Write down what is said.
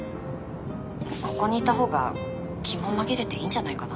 ここにいた方が気も紛れていいんじゃないかな？